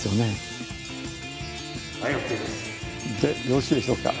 よろしいでしょうか？